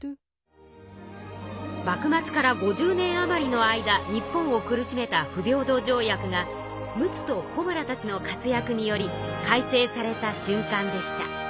幕末から５０年余りの間日本を苦しめた不平等条約が陸奥と小村たちの活躍により改正されたしゅんかんでした。